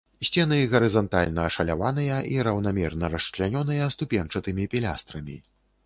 Сцены гарызантальна ашаляваныя і раўнамерна расчлянёныя ступеньчатымі пілястрамі.